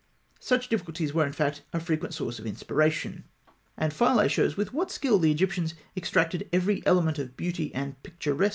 Such difficulties were, in fact, a frequent source of inspiration; and Philae shows with what skill the Egyptians extracted every element of beauty and picturesqueness from enforced disorder.